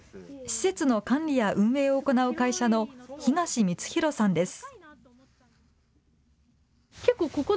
施設の管理や運営を行う会社の東光弘さんです。